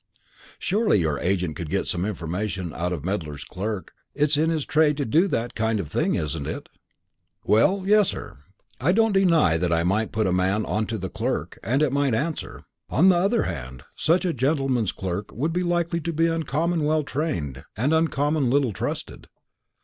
"Surely your agent could get some information out of Medler's clerk; it's in his trade to do that kind of thing, isn't it?" "Well, yes, sir; I don't deny that I might put a man on to the clerk, and it might answer. On the other hand, such a gentleman's clerk would be likely to be uncommon well trained and uncommon little trusted."